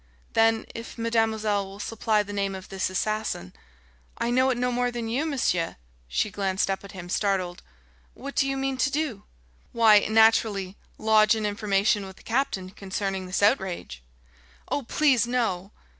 "Then, if mademoiselle will supply the name of this assassin " "I know it no more than you, monsieur!" She glanced up at him, startled. "What do you mean to do?" "Why, naturally, lodge an information with the captain concerning this outrage " "Oh, please, no!"